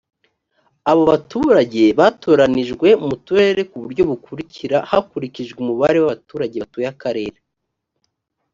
abo baturage batoranijwe mu turere ku buryo bukurikira hakurikijwe umubare w abaturage batuye akarere